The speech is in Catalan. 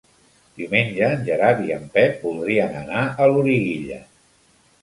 Diumenge en Gerard i en Pep voldrien anar a Loriguilla.